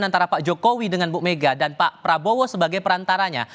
antara pak jokowi dengan bu mega dan pak prabowo sebagai perantaranya